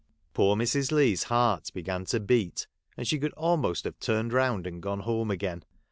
Poor Mrs. Leigh's heart began to beat, and she could almost have turned round and gone home again.